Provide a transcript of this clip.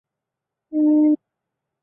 内海文三大学毕业后任职一个小官员。